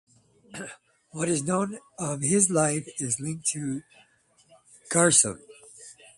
What is known of his life is linked to "Gaucelm".